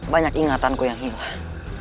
banyak ingatanku yang hilang